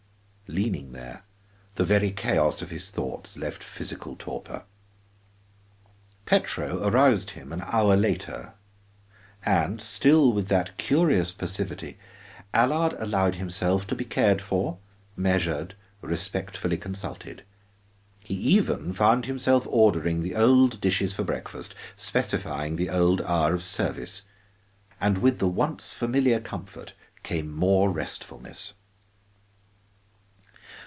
Leaning there, the very chaos of his thoughts left physical torpor. Petro aroused him an hour later and still with that curious passivity Allard allowed himself to be cared for, measured, respectfully consulted. He even found himself ordering the old dishes for breakfast, specifying the old hour of service. And with the once familiar comfort came more restfulness.